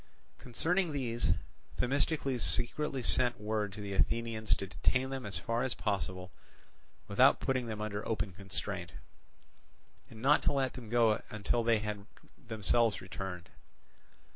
Concerning these Themistocles secretly sent word to the Athenians to detain them as far as possible without putting them under open constraint, and not to let them go until they had themselves returned.